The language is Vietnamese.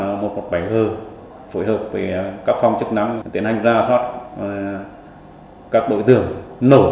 và một bài hơ phối hợp với các phong chức năng tiến hành ra soát các đối tượng nổ